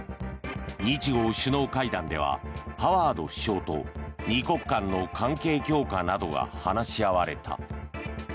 日豪首脳会談ではハワード首相と２国間の関係強化などが話し合われた。